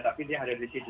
tapi dia ada di sisi